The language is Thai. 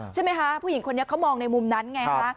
ใช่ไหมคะผู้หญิงคนนี้เขามองในมุมนั้นไงฮะ